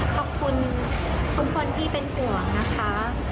ขอบคุณคนที่เป็นส่วนนะคะ